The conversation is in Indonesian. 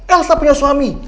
elsa punya suami